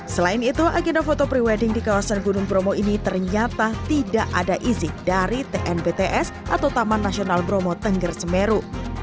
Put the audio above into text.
selain itu agenda foto pre wedding di kawasan gunung bromo ini ternyata tidak ada izin dari tnbts atau taman nasional bromo tengger semeru